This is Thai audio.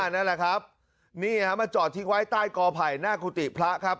นั่นแหละครับนี่ฮะมาจอดทิ้งไว้ใต้กอไผ่หน้ากุฏิพระครับ